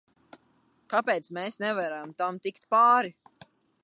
Kāpēc mēs nevaram tam tikt pāri?